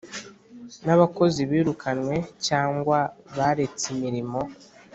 n abakozi birukanywe cyangwa baretse imirimo